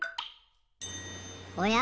おや？